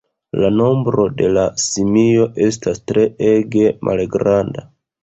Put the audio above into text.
La nombro de la simio estas treege malgranda.